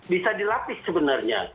bisa dilapis sebenarnya